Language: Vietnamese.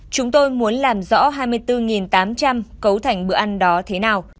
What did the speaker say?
chúng tôi muốn làm rõ hai mươi bốn tám trăm linh cấu thành bữa ăn đó thế nào